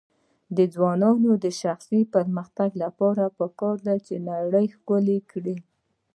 د ځوانانو د شخصي پرمختګ لپاره پکار ده چې نړۍ ښکلی کړي.